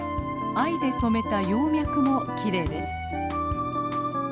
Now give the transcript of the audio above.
藍で染めた葉脈もきれいです。